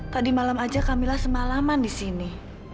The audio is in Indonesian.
tadi malam aja kamilah semalaman di sini